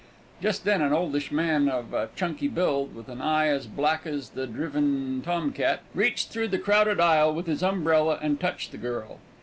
Just then an oldish man of a chunky build, and with an eye as black as the driven tomcat, reached through the crowded aisle with his umbrella and touched the girl.